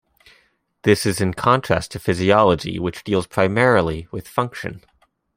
This is in contrast to physiology, which deals primarily with function.